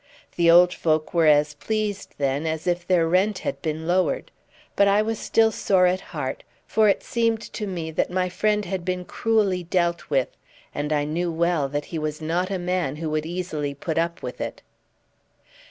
The old folk were as pleased, then, as if their rent had been lowered; but I was still sore at heart, for it seemed to me that my friend had been cruelly dealt with, and I knew well that he was not a man who would easily put up with it.